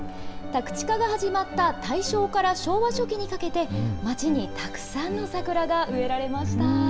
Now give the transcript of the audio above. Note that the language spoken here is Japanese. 宅地化が始まった大正から昭和初期にかけて、街にたくさんの桜が植えられました。